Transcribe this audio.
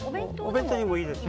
お弁当にもいいです。